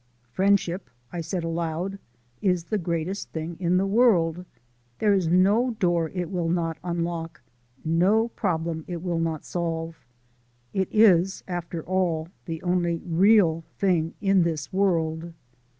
"Friendship," I said aloud, "is the greatest thing in the world. There is no door it will not unlock, no problem it will not solve. It is, after all, the only real thing in this world."